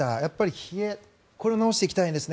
冷えこれを直していきたいですね